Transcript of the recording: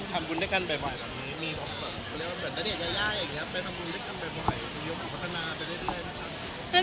ทำบุญด้วยกันบ่อยแบบนี้